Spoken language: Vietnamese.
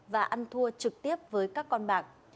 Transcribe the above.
và ăn thua trực tiếp với các con bạc